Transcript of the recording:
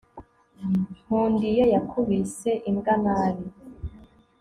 nkundiye yakubise imbwa nabi